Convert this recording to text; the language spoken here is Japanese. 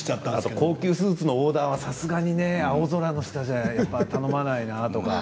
高級スーツのオーダーは青空の下では頼まないなとか。